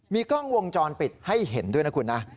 มีกล้องวงจรปิดให้เห็นด้วยนะคุณนะ